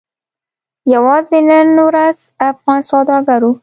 یوازې نن ورځ افغان سوداګرو